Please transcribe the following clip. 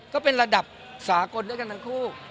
ก็เป็นระดับสากลด้วยกันทั้งคู่